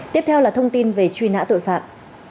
tiếp theo là thông tin về truy nã tội phạm